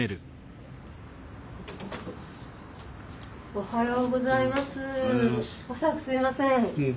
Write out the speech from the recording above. おはようございます。